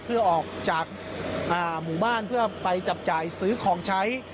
เพื่อออกจากหมู่บ้านเพื่อไปจับจ่ายซื้อของใช้